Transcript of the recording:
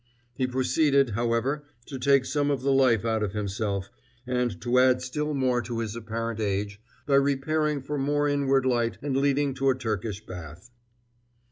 He proceeded, however, to take some of the life out of himself, and to add still more to his apparent age, by repairing for more inward light and leading to a Turkish bath.